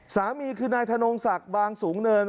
สามีคือนายธนงศักดิ์บางสูงเนิน